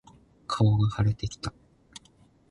顔が腫れてきた。